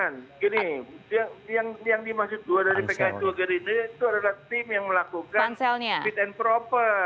yang dimaksud dua dari pks dua dari gerindra itu ada tim yang melakukan fit and proper